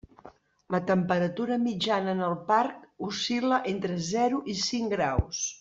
La temperatura mitjana en el Parc oscil·la entre zero i cinc graus.